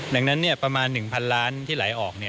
ดังนั้นเนี่ยประมาณหนึ่งพันล้านที่ไหลออก